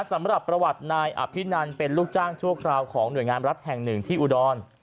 สำหรับประวัตินายอภินันเป็นลูกจ้างชั่วคราวของหน่วยงานรัฐแห่งหนึ่งที่อุดร